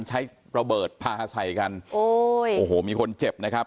ใช้ระเบิดพาใส่กันโอ้ยโอ้โหมีคนเจ็บนะครับ